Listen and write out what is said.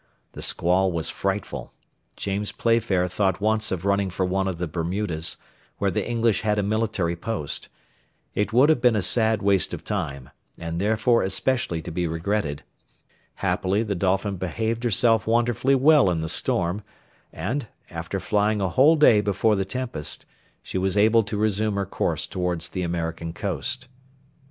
The squall was frightful; James Playfair thought once of running for one of the Bermudas, where the English had a military post: it would have been a sad waste of time, and therefore especially to be regretted; happily the Dolphin behaved herself wonderfully well in the storm, and, after flying a whole day before the tempest, she was able to resume her course towards the American coast.